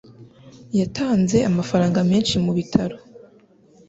Yatanze amafaranga menshi mubitaro.